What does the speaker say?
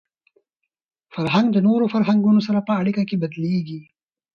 فرهنګ د نورو فرهنګونو سره په اړیکه کي بدلېږي.